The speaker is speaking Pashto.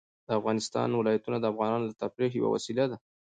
د افغانستان ولايتونه د افغانانو د تفریح یوه وسیله ده.